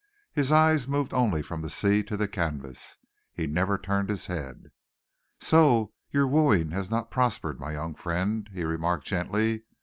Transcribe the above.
His eyes moved only from the sea to the canvas. He never turned his head. "So your wooing has not prospered, my young friend," he remarked gently.